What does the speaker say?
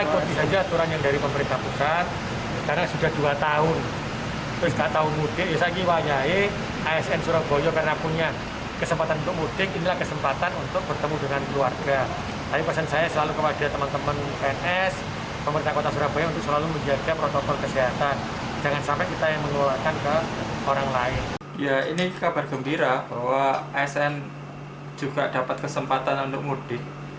ini kabar gembira bahwa asn juga dapat kesempatan untuk mudik